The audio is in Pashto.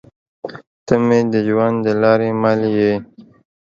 تۀ مې د ژوند د لارې مل يې